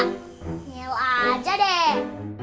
nyewa aja deh